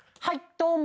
どうも。